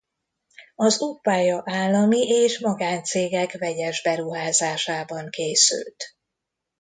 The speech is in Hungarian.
Az útpálya állami és magáncégek vegyes beruházásában készült.